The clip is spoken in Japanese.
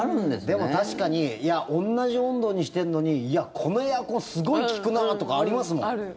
でも確かに同じ温度にしているのにいや、このエアコンすごい利くなとかありますもん。